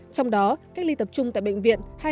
trong đó cách ly tập trung tại bệnh viện